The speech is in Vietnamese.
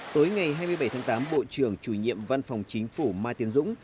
tối ngày hai mươi bảy tháng tám bộ trưởng chủ nhiệm văn phòng chính phủ mai tiến dũng